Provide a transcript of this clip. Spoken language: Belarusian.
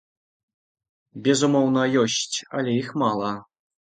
Безумоўна, ёсць, але іх мала.